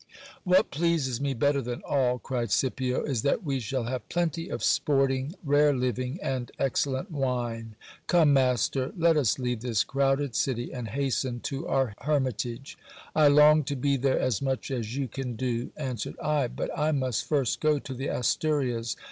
What pleases me better than all, cried Scipio, is that we shall have plenty of sporting, rare living, and excellent wine. Come, master, let us leave this crowded city, and hasten to our hermitage. I long to be there as much as you can do, answered I ; but I must first go to the Asturias.